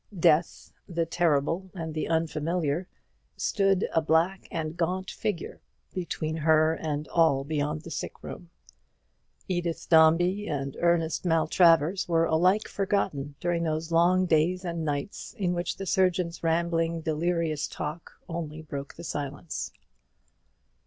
Death, the terrible and the unfamiliar, stood a black and gaunt figure between her and all beyond the sick room. Edith Dombey and Ernest Maltravers were alike forgotten during those long days and nights in which the surgeon's rambling delirious talk only broke the silence.